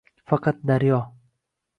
Faqat daryo